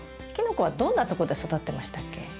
キノコはどんなとこで育ってましたっけ？